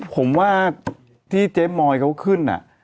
ผมว่าที่เจฟมอยเค้าขึ้นน่ะ